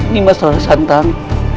nimas rora santang